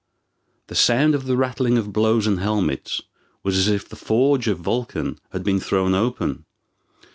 The sound of the rattling of blows and helmets was as if the forge of Vulcan had been thrown open.